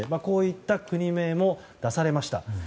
こういった国名も出されました。